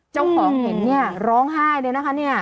เจ้าของเห็นเนี่ยร้องไห้เลยนะคะเนี่ย